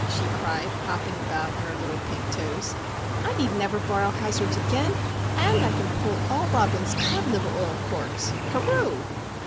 she cried, hopping about on her little pink toes. "I need never borrow Hazard's again, and I can pull all Robin's cod liver oil corks! Hurr oo!"